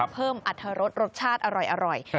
เพิ่มอัตรรสรสชาติอร่อย